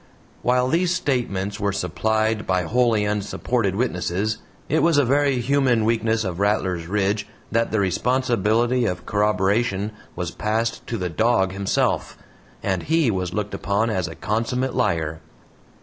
While these statements were supplied by wholly unsupported witnesses, it was a very human weakness of Rattlers Ridge that the responsibility of corroboration was passed to the dog himself, and HE was looked upon as a consummate liar.